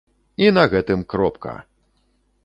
І на гэтым кропка!